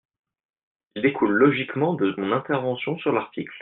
Il découle logiquement de mon intervention sur l’article.